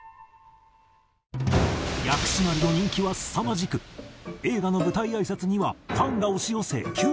薬師丸の人気はすさまじく映画の舞台挨拶にはファンが押し寄せ急遽中止。